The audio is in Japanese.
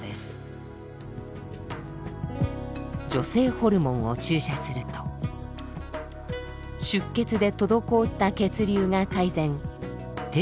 女性ホルモンを注射すると出血で滞った血流が改善低下した血圧も上昇。